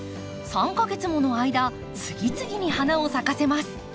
３か月もの間次々に花を咲かせます。